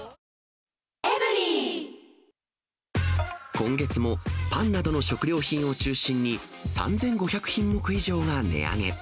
今月もパンなどの食料品を中心に、３５００品目以上が値上げ。